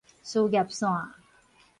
事業線